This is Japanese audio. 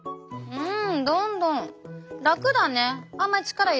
うん。